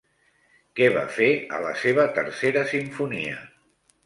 Què va fer a la seva Tercera Simfonia?